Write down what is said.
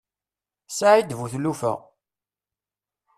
Saεid bu tlufa.